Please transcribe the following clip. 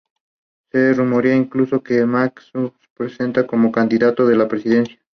Se rumoreaba incluso que MacArthur se presentaría como candidato a la presidencia.